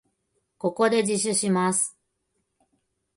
ここで自首します。